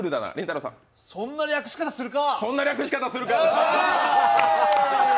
そんな略し方するか。